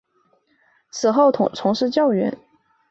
此后从事教员。